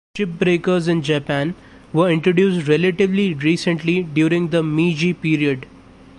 Chip breakers in Japan were introduced relatively recently during the Meiji period.